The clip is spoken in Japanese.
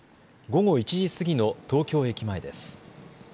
午後１時過ぎの東京駅前です。